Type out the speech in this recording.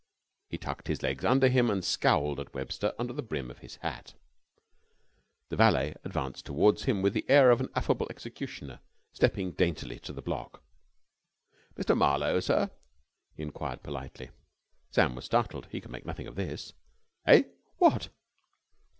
He tucked his legs under him, and scowled at Webster under the brim of his hat. The valet advanced towards him with the air of an affable executioner stepping daintily to the block. "Mr. Marlowe, sir?" he enquired politely. Sam was startled. He could make nothing of this. "Eh? What?"